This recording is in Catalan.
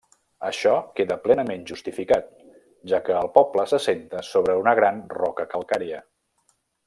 Això queda plenament justificat, ja que el poble s'assenta sobre una gran roca calcària.